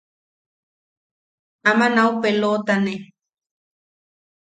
Ama nau peloʼotaane.